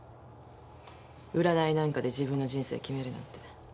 占いなんかで自分の人生決めるなんて。